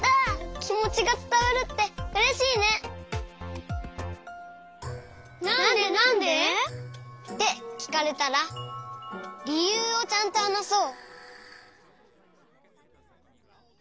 きもちがつたわるってうれしいね！ってきかれたらりゆうをちゃんとはなそう。